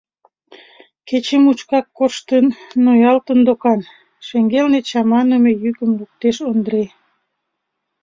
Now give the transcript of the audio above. — Кече мучкак коштын, ноялтын докан, — шеҥгелне чаманыме йӱкым луктеш Ондре.